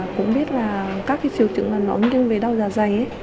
cũng biết là các triệu chứng nói như về đau dạ dày